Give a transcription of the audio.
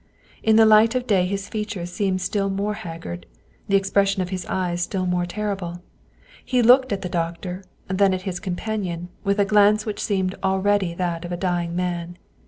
In the light of day his features seemed still more haggard, the expression of his eye still more terrible. He looked at the doctor, then at his companion, with a glance which seemed already that of a dying man.